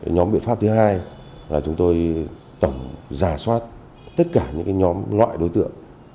nhóm biện pháp thứ hai là chúng tôi tổng giả soát tất cả những nhóm loại đối tượng